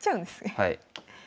はい。